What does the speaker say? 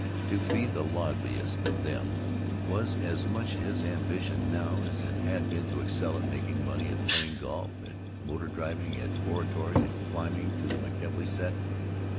To be the "livest" of them was as much his ambition now as it had been to excel at making money, at playing golf, at motor driving, at oratory, at climbing to the McKelvey set.